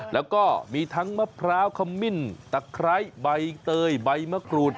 แล้วก็มีทั้งมะพร้าวขมิ้นตะไคร้ใบเตยใบมะกรูด